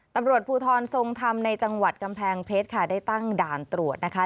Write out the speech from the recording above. ตำรวจภูทรทรงธรรมในจังหวัดกำแพงเพชรค่ะได้ตั้งด่านตรวจนะคะ